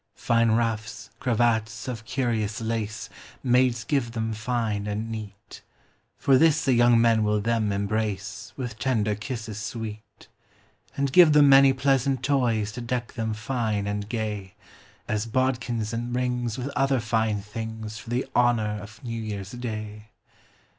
Fine ruffs, cravats of curious lace, Maids give them fine and neat; For this the young men will them embrace With tender kisses sweet: And give them many pleasant toys To deck them fine and gay, As bodkins and rings with other fine things For the honor of New Year's day.